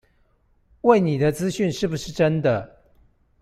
餵你的資訊是不是真的